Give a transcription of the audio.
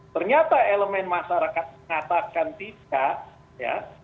ternyata elemen masyarakat mengatakan tidak ya